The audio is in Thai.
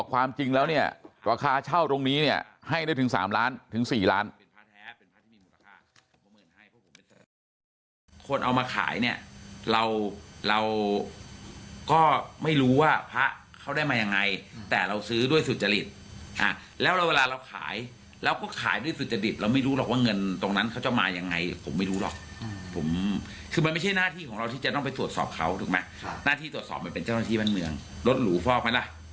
ว่าเงินตรงนั้นเขาจะมายังไงผมไม่รู้หรอกผมคือมันไม่ใช่หน้าที่ของเราที่จะต้องไปตรวจสอบเขาถูกไหมค่ะหน้าที่ตรวจสอบมันเป็นเจ้าหน้าที่บ้านเมืองรถหรูฟอกไหมล่ะ